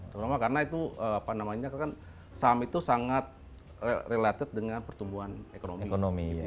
karena itu apa namanya karena saham itu sangat related dengan pertumbuhan ekonomi